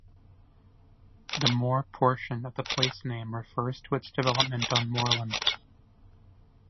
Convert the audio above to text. The moor portion of the placename refers to its development on moorland.